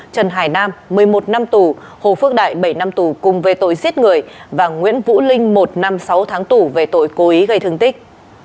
trần hải nam một mươi một năm tù hồ phước đại bảy năm tù cùng về tội giết người và nguyễn vũ linh một năm sáu tháng tù về tội cố ý gây thương tích